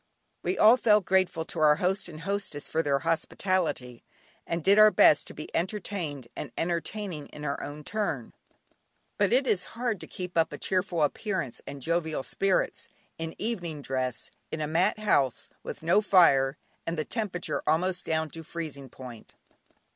We all felt grateful to our host and hostess for their hospitality, and did our best to be entertained and entertaining in our turn, but it is hard to keep up a cheerful appearance and jovial spirits, in evening dress, in a mat house, with no fire and the temperature almost down to freezing point.